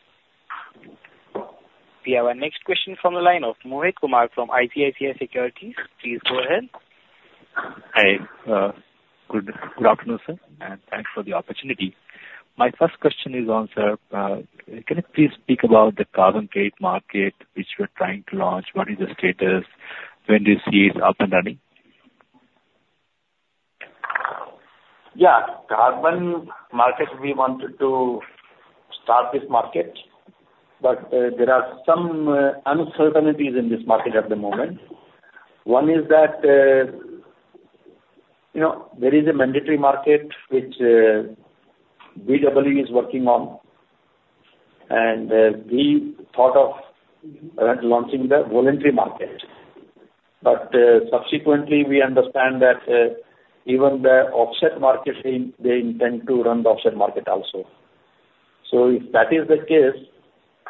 We have our next question from the line of Mohit Kumar from ICICI Securities. Please go ahead.
Hi, good afternoon, sir, and thanks for the opportunity. My first question is on, sir, can you please speak about the carbon trade market, which we're trying to launch? What is the status? When do you see it up and running?
Yeah. Carbon market, we wanted to start this market, but there are some uncertainties in this market at the moment. One is that, you know, there is a mandatory market which BEE is working on, and we thought of around launching the voluntary market. But subsequently, we understand that even the offset market, they, they intend to run the offset market also. So if that is the case,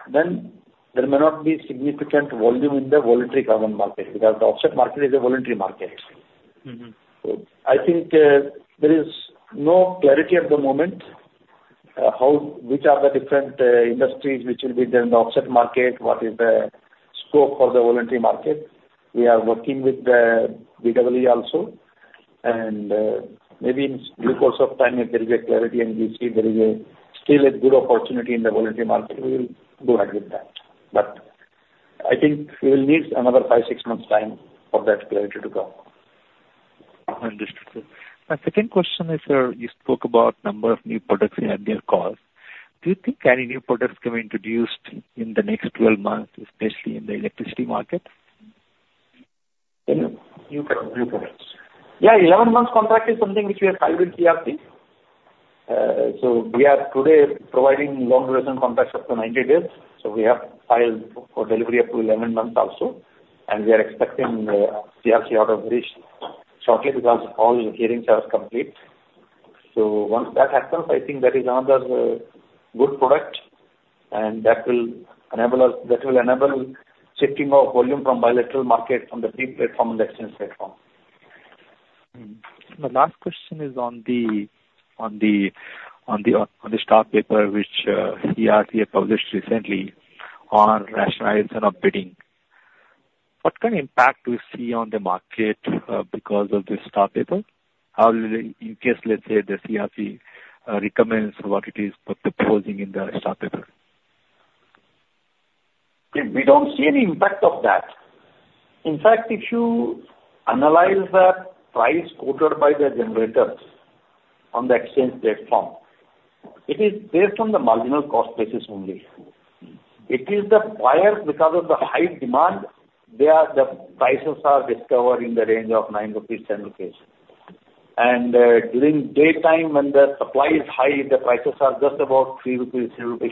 then there may not be significant volume in the voluntary carbon market, because the offset market is a voluntary market. So I think, there is no clarity at the moment, how, which are the different, industries which will be there in the offset market, what is the scope for the voluntary market. We are working with the BEE also, and, maybe in due course of time, if there is a clarity and we see there is a still a good opportunity in the voluntary market, we will go ahead with that. But I think we will need another 5-6 months' time for that clarity to come.
Understood, sir. My second question is, sir, you spoke about number of new products you had in the call. Do you think any new products can be introduced in the next 12 months, especially in the electricity market?
Any new product, new products? Yeah, 11 months contract is something which we have filed in CERC. So we are today providing long-duration contracts up to 90 days, so we have filed for delivery up to 11 months also, and we are expecting, CERC order very shortly, because all hearings are complete. So once that happens, I think that is another, good product, and that will enable us, that will enable shifting of volume from bilateral market on the pre platform on the exchange platform.
My last question is on the staff paper, which CERC published recently on rationalization of bidding. What kind of impact do you see on the market because of this staff paper? How will it... In case, let's say, the CERC recommends what it is proposing in the staff paper.
We don't see any impact of that. In fact, if you analyze the price quoted by the generators on the exchange platform, it is based on the marginal cost basis only. It is the buyers, because of the high demand, the prices are discovered in the range of 9-10 rupees. During daytime, when the supply is high, the prices are just about 3.15 rupees.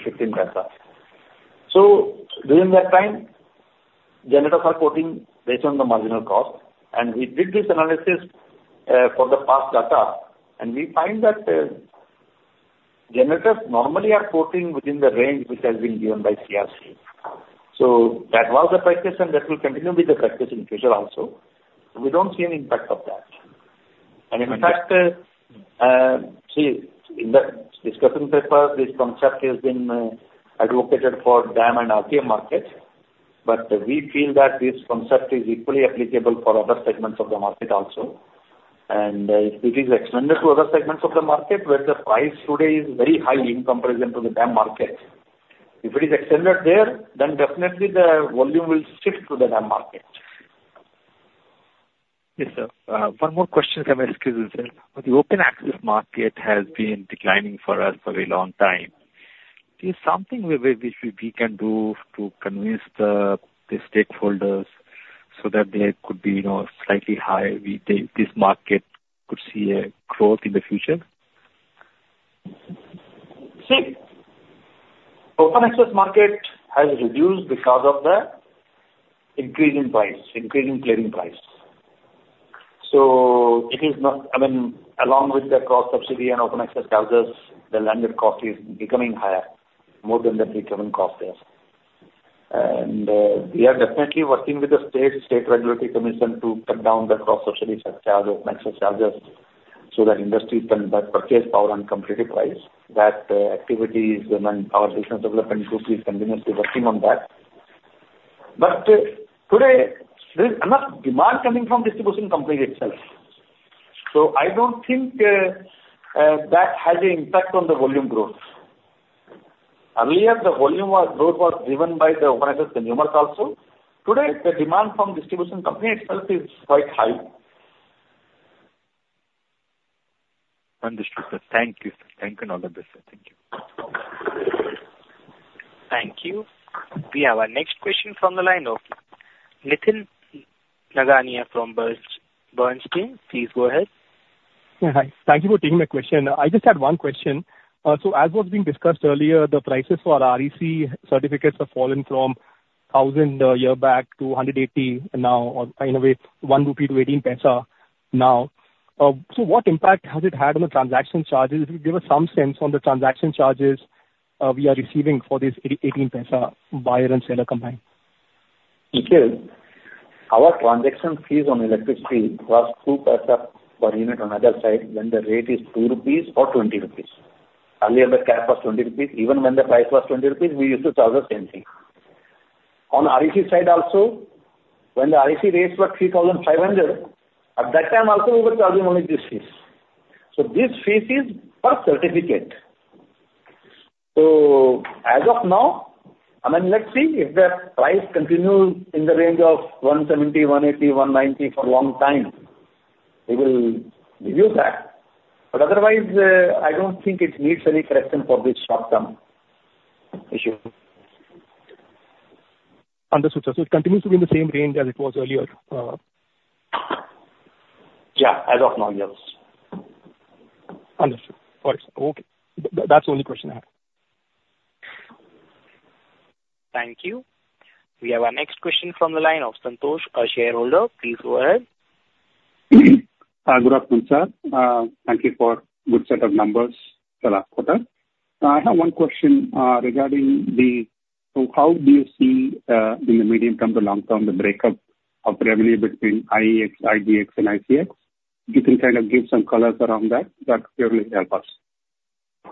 So during that time, generators are quoting based on the marginal cost. And we did this analysis for the past data, and we find that generators normally are quoting within the range which has been given by CERC. So that was the practice, and that will continue with the practice in future also. We don't see any impact of that.
Okay.
In fact, in the discussion paper, this concept has been advocated for DAM and RTM markets, but we feel that this concept is equally applicable for other segments of the market also. If it is extended to other segments of the market, where the price today is very high in comparison to the DAM market, if it is extended there, then definitely the volume will shift to the DAM market.
Yes, sir. One more question, sir. Excuse me, sir. The open access market has been declining for us for a long time. Is something which we can do to convince the stakeholders so that they could be, you know, slightly high? We in this market could see a growth in the future?
See, open access market has reduced because of the increase in price, increase in clearing price. So it is not, I mean, along with the cross-subsidy and open access charges, the landed cost is becoming higher, more than the procurement cost there. We are definitely working with the state regulatory commission to cut down the cross-subsidy charges, access charges, so that industry can purchase power on competitive price. That activity, our business development group is continuously working on that. But today, there is enough demand coming from distribution company itself, so I don't think that has an impact on the volume growth. Earlier, the volume growth was driven by the open access consumers also. Today, the demand from distribution company itself is quite high.
Understood, sir. Thank you, sir. Thank you and all the best, sir. Thank you.
Thank you. We have our next question from the line of Nitin Nagania from Bernstein. Please go ahead. Yeah, hi. Thank you for taking my question. I just had one question. So as was being discussed earlier, the prices for REC certificates have fallen from 1,000 a year back to 180 now, or in a way, 1 rupee to 0.18 now. So what impact has it had on the transaction charges? If you give us some sense on the transaction charges we are receiving for this eighteen paisa buyer and seller combined.
Nitin, our transaction fees on electricity was 2 paisa per unit on other side, when the rate is 2 rupees or 20 rupees. Earlier the cap was 20 rupees. Even when the price was 20 rupees, we used to charge the same thing.... On REC side also, when the REC rates were 3,500, at that time also we were charging only this fees. So this fees is per certificate. So as of now, I mean, let's see, if the price continues in the range of 170, 180, 190 for a long time, we will review that. But otherwise, I don't think it needs any correction for this short term issue.
Understood, sir. So it continues to be in the same range as it was earlier?
Yeah, as of now, yes.
Understood. All right. Okay. That's the only question I have.
Thank you. We have our next question from the line of Santhosh, a shareholder. Please go ahead.
Hi, good afternoon, sir. Thank you for good set of numbers the last quarter. I have one question, regarding the, so how do you see, in the medium term to long term, the breakup of revenue between IEX, IGX, and ICX? You can kind of give some colors around that, that clearly help us.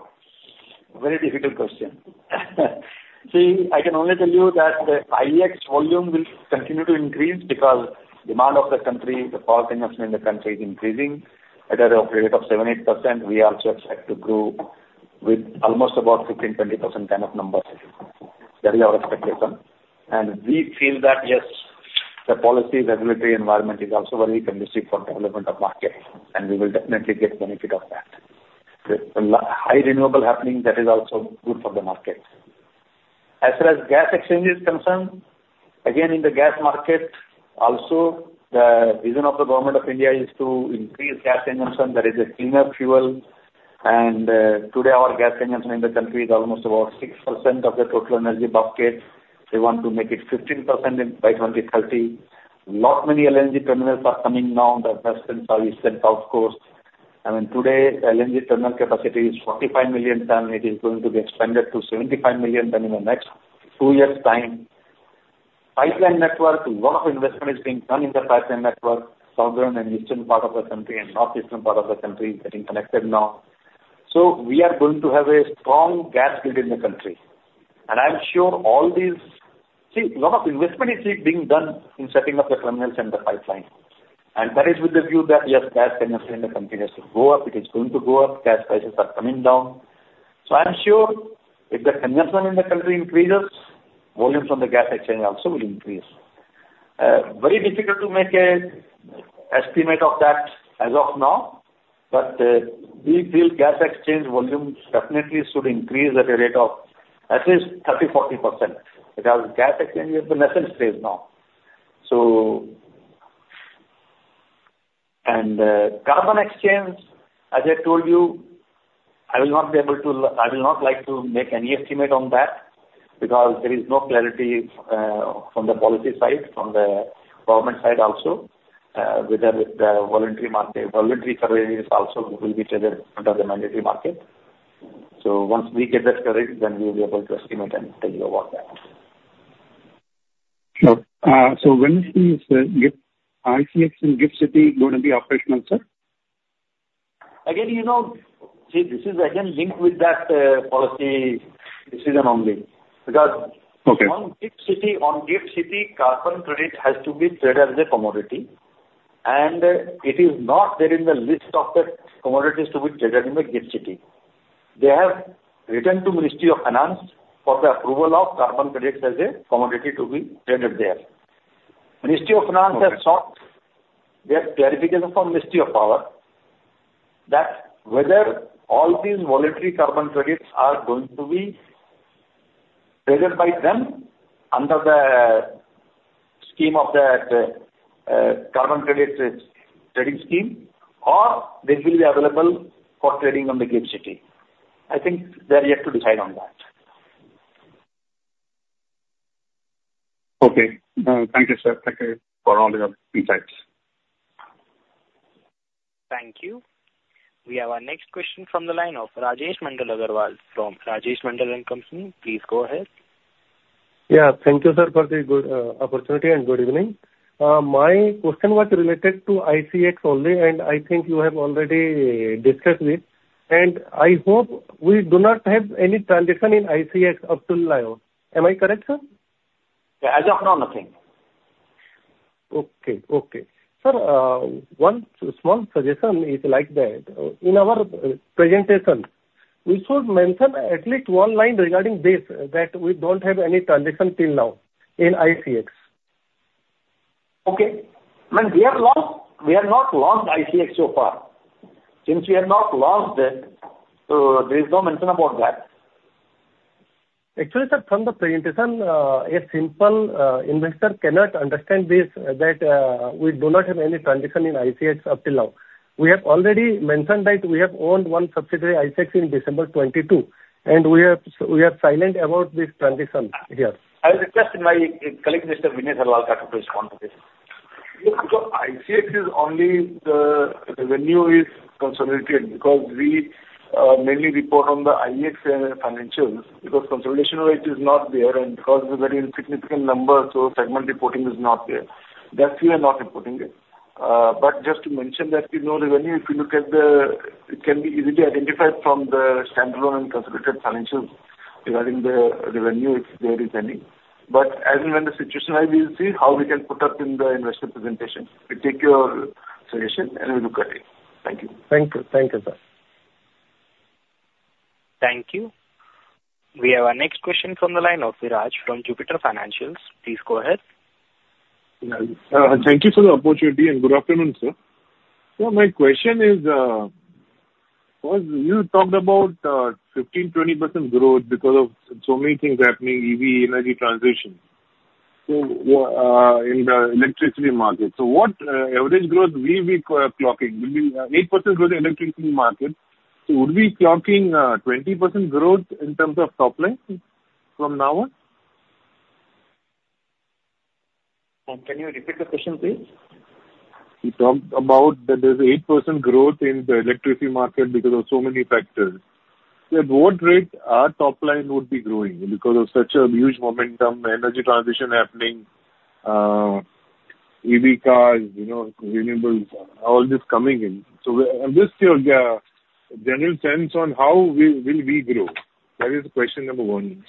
Very difficult question. See, I can only tell you that the IEX volume will continue to increase because demand of the country, the power consumption in the country is increasing at a rate of 7%-8%. We also expect to grow with almost about 15%-20% kind of numbers. That is our expectation. And we feel that, yes, the policy regulatory environment is also very conducive for development of market, and we will definitely get benefit of that. The high renewable happening, that is also good for the market. As far as gas exchange is concerned, again, in the gas market also, the vision of the government of India is to increase gas consumption. That is a cleaner fuel. And, today our gas consumption in the country is almost about 6% of the total energy bucket. They want to make it 15% in, by 2030. Lot many LNG terminals are coming now, the western, southern, east, and south coast. I mean, today, LNG terminal capacity is 45 million tons. It is going to be expanded to 75 million tons in the next 2 years' time. Pipeline network, lot of investment is being done in the pipeline network, southern and eastern part of the country and northeastern part of the country is getting connected now. So we are going to have a strong gas grid in the country. And I'm sure all these... See, lot of investment is being done in setting up the terminals and the pipeline, and that is with the view that, yes, gas consumption in the country has to go up. It is going to go up. Gas prices are coming down. So I'm sure if the consumption in the country increases, volumes on the gas exchange also will increase. Very difficult to make an estimate of that as of now, but we feel gas exchange volumes definitely should increase at a rate of at least 30%-40%, because gas exchange is in the nascent stage now. And carbon exchange, as I told you, I will not like to make any estimate on that, because there is no clarity from the policy side, from the government side also, whether it's a voluntary market, voluntary carbon is also will be traded under the mandatory market. So once we get that clarity, then we'll be able to estimate and tell you about that.
Sure. So when is GIFT ICX in GIFT City going to be operational, sir?
Again, you know, see, this is again linked with that policy decision only, because-
Okay.
On GIFT City, on GIFT City, carbon credit has to be traded as a commodity, and it is not there in the list of the commodities to be traded in the GIFT City. They have written to Ministry of Finance for the approval of carbon credits as a commodity to be traded there. Ministry of Finance-
Okay.
has sought their clarification from Ministry of Power, that whether all these voluntary carbon credits are going to be traded by them under the scheme of the, carbon credits trading scheme, or they will be available for trading on the GIFT City. I think they're yet to decide on that.
Okay. Thank you, sir. Thank you for all your insights.
Thank you. We have our next question from the line of Rajesh Mandal Agarwal from Rajesh Mandal and Company. Please go ahead.
Yeah. Thank you, sir, for the good opportunity, and good evening. My question was related to ICX only, and I think you have already discussed it. I hope we do not have any transition in ICX up till now. Am I correct, sir?
Yeah, as of now, nothing.
Okay. Okay. Sir, one small suggestion is like that, in our presentation, we should mention at least one line regarding this, that we don't have any transaction till now in ICX.
Okay. I mean, we have not, we have not launched ICX so far. Since we have not launched it, there is no mention about that.
Actually, sir, from the presentation, a simple investor cannot understand this, that we do not have any transition in ICX up till now. We have already mentioned that we have owned one subsidiary, ICX, in December 2022, and we are silent about this transition here.
I'll request my colleague, Mr. Vineet Harlalka, to respond to this.
So ICX is only the, the new is consolidated because we mainly report on the IEX financials, because consolidation rate is not there, and because it's a very insignificant number, so segment reporting is not there. That's why we are not reporting it.
But just to mention that, you know, revenue, if you look at the, it can be easily identified from the standalone and consolidated financials regarding the revenue, if there is any. But as and when the situation rises, we'll see how we can put up in the investor presentation. We take your suggestion, and we'll look at it. Thank you.
Thank you. Thank you, sir.
Thank you. We have our next question from the line of Viraj from Jupiter Financials. Please go ahead.
Thank you for the opportunity, and good afternoon, sir. So my question is, first you talked about 15%-20% growth because of so many things happening, EV, energy transition. So, in the electricity market, so what average growth will we be clocking? Will be 8% growth in electricity market, so would we be clocking 20% growth in terms of top line from now on?
Can you repeat the question, please?
You talked about that there's 8% growth in the electricity market because of so many factors. So at what rate our top line would be growing because of such a huge momentum, energy transition happening, EV cars, you know, renewables, all this coming in. So just your general sense on how will we grow? That is question number one.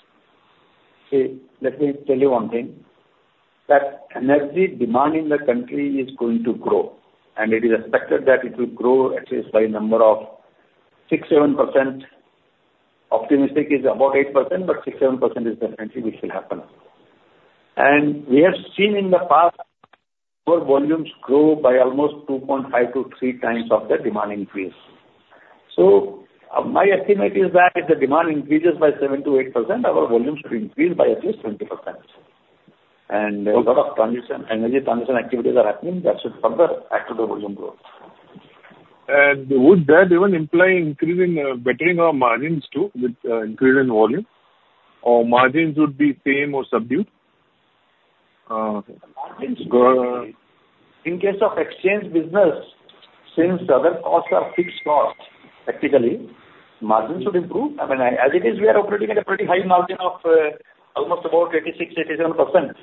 See, let me tell you one thing, that energy demand in the country is going to grow, and it is expected that it will grow at least by a number of 6%-7%. Optimistic is about 8%, but 6%-7% is definitely which will happen. And we have seen in the past, our volumes grow by almost 2.5-3 times of the demand increase. So, my estimate is that if the demand increases by 7%-8%, our volumes should increase by at least 20%. And a lot of transition, energy transition activities are happening that should further add to the volume growth.
Would that even imply increasing, bettering our margins too, with increase in volume? Or margins would be same or subdued?
Margins grow. In case of exchange business, since other costs are fixed costs, technically, margins would improve. I mean, as it is, we are operating at a pretty high margin of almost about 86%-87%, so.
Right.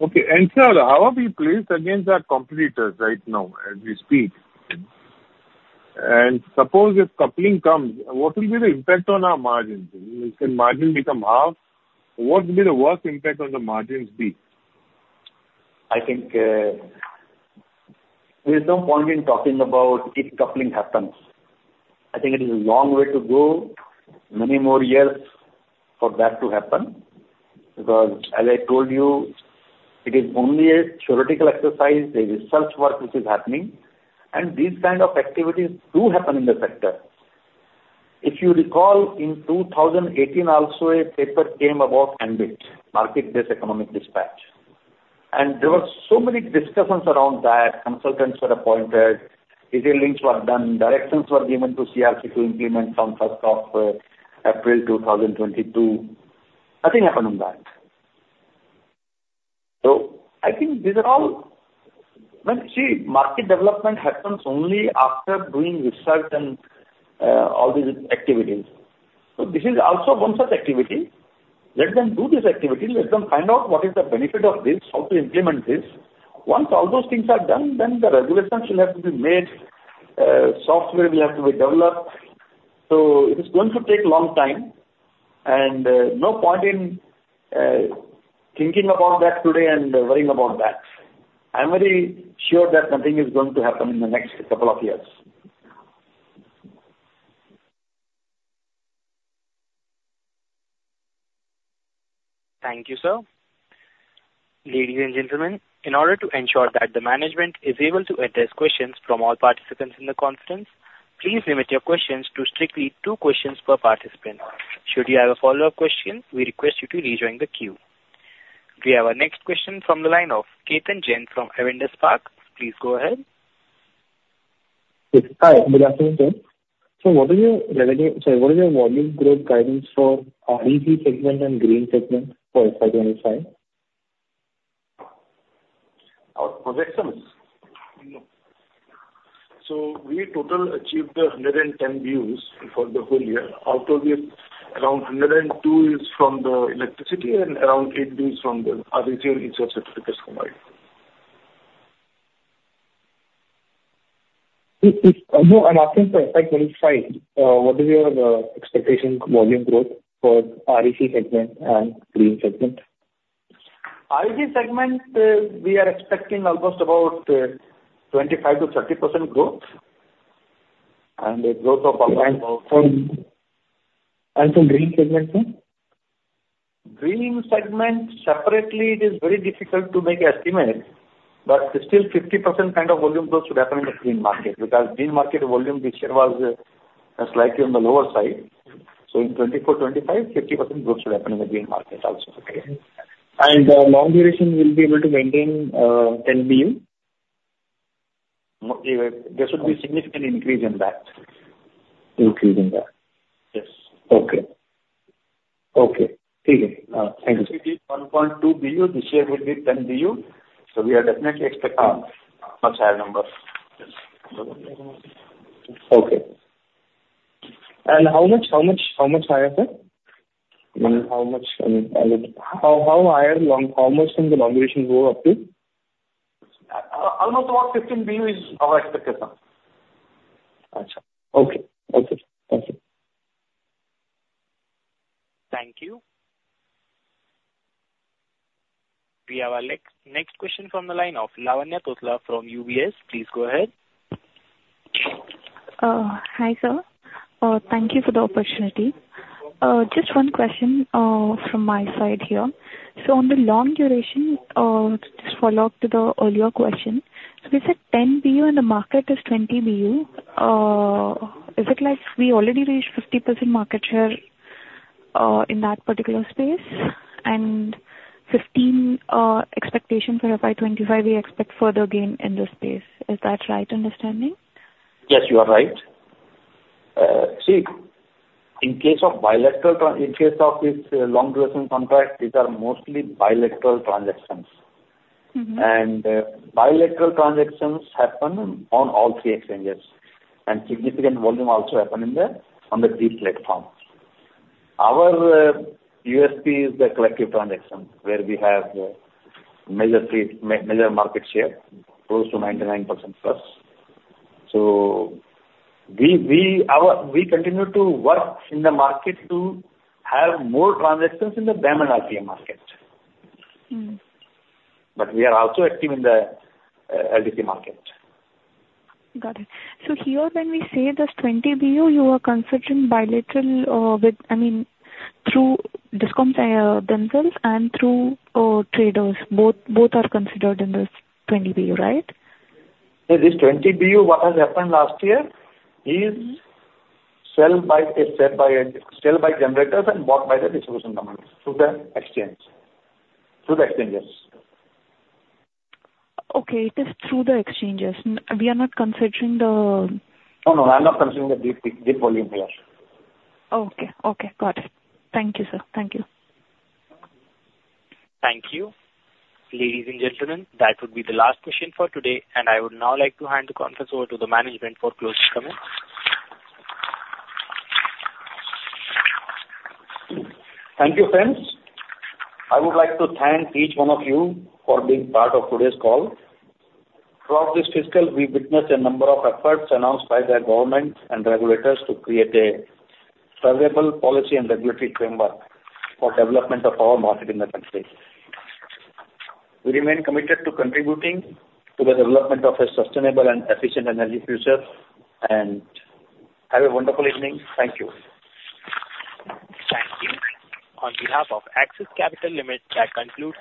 Okay, and sir, how are we placed against our competitors right now, as we speak? And suppose if coupling comes, what will be the impact on our margins? Will margins become half? What will be the worst impact on the margins be?
I think, there's no point in talking about if coupling happens. I think it is a long way to go, many more years for that to happen, because as I told you, it is only a theoretical exercise, a research work which is happening, and these kind of activities do happen in the sector. If you recall, in 2018 also, a paper came about MBED, Market-Based Economic Dispatch, and there were so many discussions around that. Consultants were appointed, detailed studies were done, directions were given to CERC to implement from April 1, 2022. Nothing happened on that. So I think these are all... Well, see, market development happens only after doing research and, all these activities. So this is also one such activity. Let them do this activity. Let them find out what is the benefit of this, how to implement this. Once all those things are done, then the regulations will have to be made, software will have to be developed. So it is going to take a long time, and no point in thinking about that today and worrying about that. I'm very sure that nothing is going to happen in the next couple of years.
Thank you, sir. Ladies and gentlemen, in order to ensure that the management is able to address questions from all participants in the conference, please limit your questions to strictly two questions per participant. Should you have a follow-up question, we request you to rejoin the queue. We have our next question from the line of Ketan Jain from Avendus Spark. Please go ahead.
Yes. Hi, good afternoon, sir. So what is your revenue... Sorry, what is your volume growth guidance for REC segment and green segment for FY 25?
Our projections?
No.
So we total achieved 110 BUs for the whole year, out of which around 102 is from the electricity and around 8 BUs from the renewable energy certificates combined.
No, I'm asking for FY 25, what is your expectation volume growth for REC segment and green segment?
REC segment, we are expecting almost about 25%-30% growth, and a growth of approximately-
From green segment, sir?
Green segment, separately it is very difficult to make estimates, but still 50% kind of volume growth should happen in the green market, because green market volume this year was slightly on the lower side. So in 2024-2025, 50% growth should happen in the green market also. Okay.
Long duration, we'll be able to maintain 10 BU?
There should be significant increase in that.
Increase in that.
Yes.
Okay. Okay. Thank you.
It is 1.2 BU, this year will be 10 BU, so we are definitely expecting a much higher number. Yes.
Okay. And how much higher, sir? I mean, how much higher? How long can the duration go up to?
Almost about 15 BU is our expected, sir.
Okay. Okay. Thank you.
Thank you. We have our next question from the line of Lavanya Tottala from UBS. Please go ahead.
Hi, sir. Thank you for the opportunity. Just one question from my side here. So on the long duration, just follow-up to the earlier question. So you said 10 BU and the market is 20 BU. Is it like we already reached 50% market share in that particular space? And 15 expectation for by 2025, we expect further gain in this space. Is that right understanding?
Yes, you are right. See, in case of bilateral transactions, in case of this long duration contract, these are mostly bilateral transactions. Bilateral transactions happen on all three exchanges, and significant volume also happen on the DEEP platform. Our USP is the collective transaction, where we have major trade, major market share, close to 99%+. So we continue to work in the market to have more transactions in the DAM and RTM market. But we are also active in the LDC market.
Got it. So here, when we say this 20 BU, you are considering bilateral, with, I mean, through discoms, themselves and through, traders, both, both are considered in this 20 BU, right?
Yeah, this 20 BU, what has happened last year is sold by generators and bought by the distribution companies through the exchange, through the exchanges.
Okay, it is through the exchanges. We are not considering the-
No, no, I'm not considering the deep, DEEP volume here.
Okay. Okay, got it. Thank you, sir. Thank you.
Thank you. Ladies and gentlemen, that would be the last question for today, and I would now like to hand the conference over to the management for closing comments.
Thank you, friends. I would like to thank each one of you for being part of today's call. Throughout this fiscal, we've witnessed a number of efforts announced by the government and regulators to create a favorable policy and regulatory framework for development of our market in the country. We remain committed to contributing to the development of a sustainable and efficient energy future, and have a wonderful evening. Thank you.
Thank you. On behalf of Axis Capital Limited, that concludes today's-